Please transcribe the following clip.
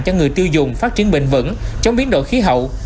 cho người tiêu dùng phát triển bình vẩn chống biến đổi khí hậu